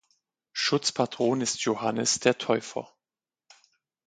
Schutzpatron ist Johannes der Täufer.